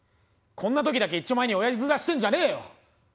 こんな時だけいっちょ前におやじ面してんじゃねえよ！